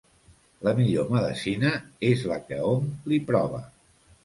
La millor medecina és la que hom li prova.